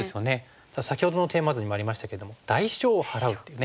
ただ先ほどのテーマ図にもありましたけども「代償を払う」っていうね。